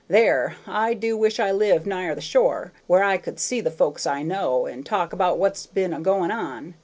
There! I do wish I lived nigher the shore, where I could see the folks I know, and talk about what's been a goin' on.